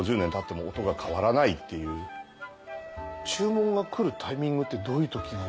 注文が来るタイミングってどういう時が多いんですか？